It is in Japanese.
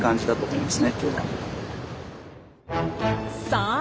さあ